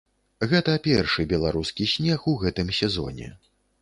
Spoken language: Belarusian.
Гэта першы беларускі снег у гэтым сезоне.